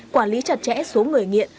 quản lý chặt chẽ số người nghiện